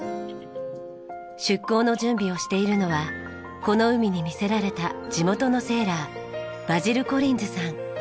出航の準備をしているのはこの海に魅せられた地元のセーラーバジルコリンズさん。